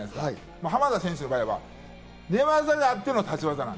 浜田選手の場合は寝技があっての立ち技。